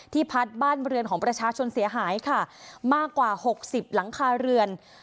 พัดบ้านเรือนของประชาชนเสียหายค่ะมากกว่า๖๐หลังคาเรือน